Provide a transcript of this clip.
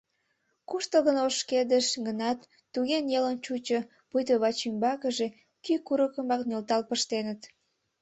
Куштылгын ошкедыш гынат, туге нелын чучо, пуйто вачӱмбакыже кӱ курыкымак нӧлтал пыштеныт.